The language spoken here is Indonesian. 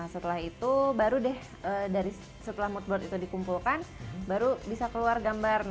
setelah itu baru deh setelah mood board itu dikumpulkan baru bisa keluar gambar